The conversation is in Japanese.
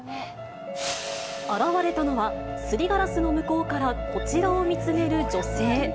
現れたのは、すりガラスの向こうからこちらを見つめる女性。